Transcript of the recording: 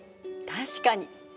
確かに。